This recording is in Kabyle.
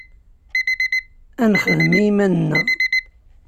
Ad nexdem i yiman-nneɣ.